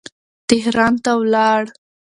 تهران ته ولاړ.